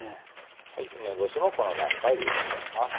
はい梅干しもこの段階で入れちゃいます。